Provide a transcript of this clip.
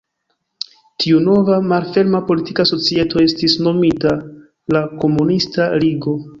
Tiu nova malferma politika societo estis nomita la Komunista Ligo.